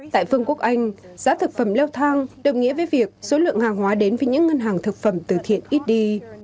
tại vương quốc anh giá thực phẩm leo thang đồng nghĩa với việc số lượng hàng hóa đến với những ngân hàng thực phẩm từ thiện ít đi